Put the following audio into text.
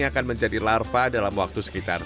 dan akan menjadi larva dalam waktu sekitar tiga hari